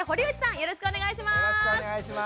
よろしくお願いします。